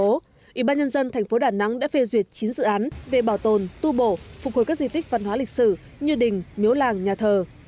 ủy ban nhân dân thành phố đà nẵng đã phê duyệt chín dự án về bảo tồn tu bổ phục hồi các di tích văn hóa lịch sử như đình miếu làng nhà thờ